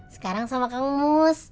sekarang sama kak manus